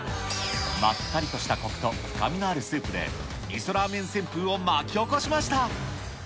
まったりとしたこくと、深みのあるスープで、みそラーメン旋風を巻き起こしました。